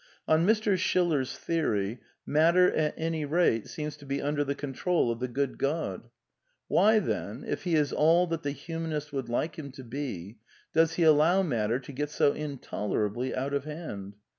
On Mr. Schiller's theory, Matter at any rate seems to be under the control of the Good God — why then, if he is all that the humanist would like him to be, does he allow Matter to get so intolerably out of hand